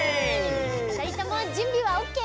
ふたりともじゅんびはオッケー？